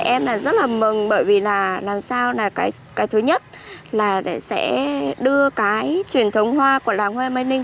em rất là mừng bởi vì là làm sao là cái thứ nhất là sẽ đưa cái truyền thống hoa của làng hoa mây ninh